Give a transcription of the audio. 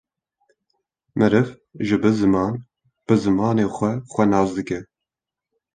Meriv jî bi ziman, bi zimanê xwe xwe nas dike